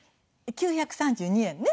９３２円ね。